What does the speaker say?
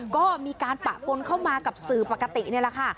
ก็มีการปะปนเข้ามากับสื่อปกตินี่แหละค่ะ